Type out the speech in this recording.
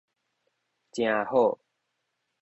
誠好